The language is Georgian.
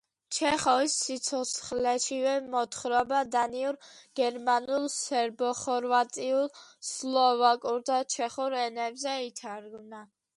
ჩეხოვის სიცოცხლეშივე მოთხრობა დანიურ, გერმანულ, სერბო-ხორვატულ, სლოვაკურ და ჩეხურ ენებზე ითარგმნა.